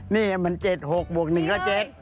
นี่มัน๗๖บวก๑ก็๗